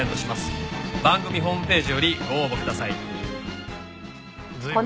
番組ホームページよりご応募ください